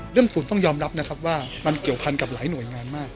ฝุ่นต้องยอมรับนะครับว่ามันเกี่ยวพันกับหลายหน่วยงานมาก